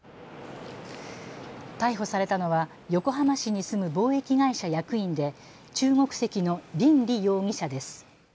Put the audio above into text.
逮捕されたのは横浜市に住む貿易会社役員で中国籍の林俐容疑者です。